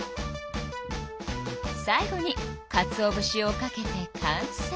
最後にかつおぶしをかけて完成。